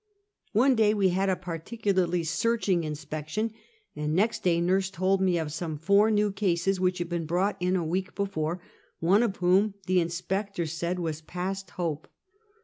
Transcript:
One day we had a particularly searching inspection , and next day nurse told me of some four new cases which had been brought in a week before, one of whom the inspectors said was past hope.